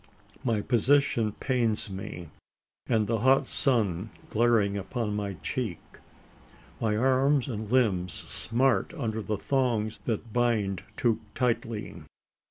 My position pains me and the hot sun glaring upon my cheek. My arms and limbs smart under thongs that bind too tightly.